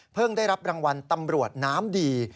ได้รับรางวัลตำรวจน้ำดี